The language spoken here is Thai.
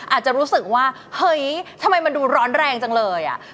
อาจจะรู้สึกว่าเฮ้ยทำไมมันดูร้อนแรงจังเลยอ่ะ